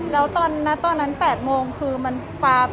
แล้วตอนนั้น๘โมงคือมันป๊าบ